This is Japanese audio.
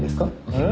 うん？